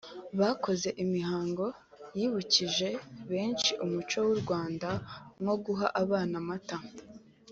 Bakoze imihango yibukije benshi umuco w’u Rwanda nko guha abana amata